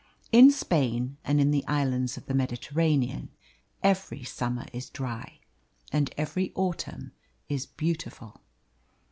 In Spain and in the islands of the Mediterranean every summer is dry, and every autumn is beautiful.